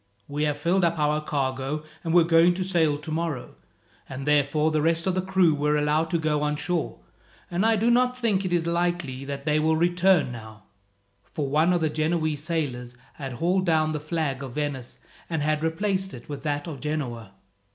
"We have filled up our cargo, and were going to sail tomorrow, and therefore the rest of the crew were allowed to go on shore; and I do not think it is likely that they will return now," for one of the Genoese sailors had hauled down the flag of Venice, and had replaced it with that of Genoa.